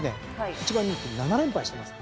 １番人気７連敗してますからね。